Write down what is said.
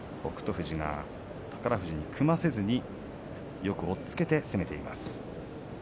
宝富士に組ませずによく押っつけて攻めています。